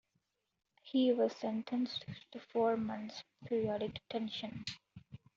He was sentenced to four months' periodic detention.